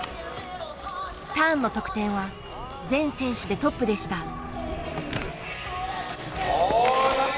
ターンの得点は全選手でトップでした。